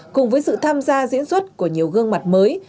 cùng với sự tham gia diễn xuất của nhiều gương mặt mới